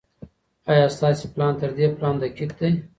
ايا ستاسي پلان تر دې پلان دقيق دی؟